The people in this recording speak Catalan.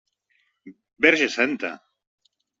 Verge Santa!